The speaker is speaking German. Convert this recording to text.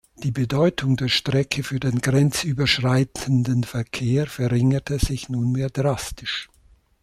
Die Bedeutung der Strecke für den grenzüberschreitenden Verkehr verringerte sich nunmehr drastisch.